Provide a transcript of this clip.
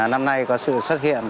năm nay có sự xuất hiện